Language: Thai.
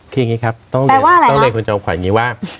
แบบนี้ครับต้องเหลือคุณจมข่ายอย่างมีว่า